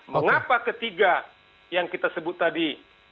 mengapa ketiga yang kita sebut tadi